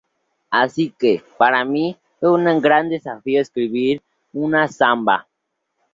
Así que, para mí, fue un gran desafío escribir una samba".